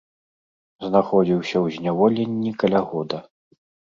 Знаходзіўся ў зняволенні каля года.